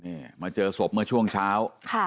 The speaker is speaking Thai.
เนี่ยมาเจอสมเมื่อช่วงเช้าฮะ